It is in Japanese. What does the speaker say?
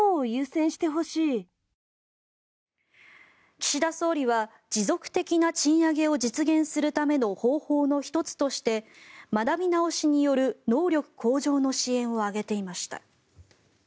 岸田総理は持続的な賃上げを実現するための方法の１つとして学び直しによる能力向上の支援を挙げていました。